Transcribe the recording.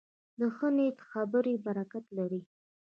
د ښه نیت خبرې برکت لري